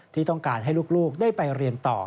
ที่ต้องการให้ลูกได้ไปเรียนต่อ